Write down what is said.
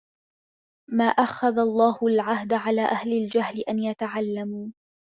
مَا أَخَذَ اللَّهُ الْعَهْدَ عَلَى أَهْلِ الْجَهْلِ أَنْ يَتَعَلَّمُوا